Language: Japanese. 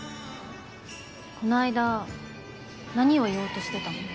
この間何を言おうとしてたの？